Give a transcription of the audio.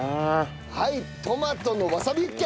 はいトマトのわさびユッケ。